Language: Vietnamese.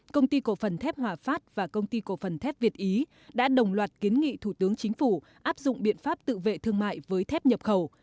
công ty cổ phần thép hòa phát và công ty cổ phần thép việt ý đã đồng loạt kiến nghị thủ tướng chính phủ áp dụng biện pháp tự vệ thương mại với thép nhập khẩu